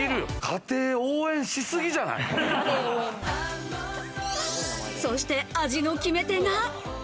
家庭を応援しそして味の決め手が。